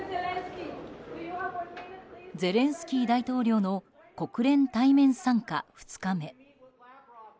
ゼレンスキー大統領の国連対面参加、２日目。